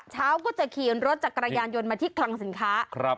เช้าก็จะขี่รถจักรยานยนต์มาที่คลังสินค้า